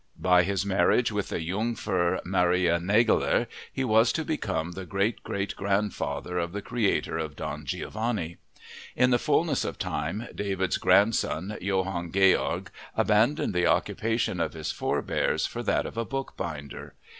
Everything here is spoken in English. By his marriage with the Jungfer Maria Negeler he was to become the great great grandfather of the creator of Don Giovanni. In the fullness of time David's grandson, Johann Georg, abandoned the occupation of his forebears for that of a bookbinder.